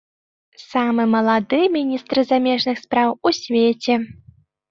Самы малады міністр замежных спраў у свеце.